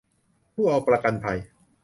ผู้เอาประกันภัย